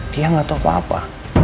dia nggak tahu apa apa